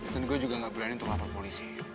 dan gue juga gak berani untuk lapar polisi